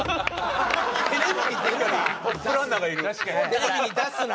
「テレビに出すな」。